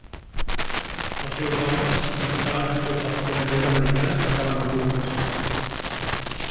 Els seus homes intentaven expulsar els fusellers americans que estaven ocults.